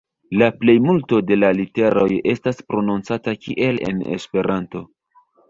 La plejmulto de la literoj estas prononcata kiel en Esperanto.